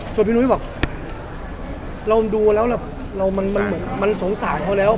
ส่วนพี่นุ้ยบอกเราดูแล้วมันเหมือนมันสงสารเขาแล้ว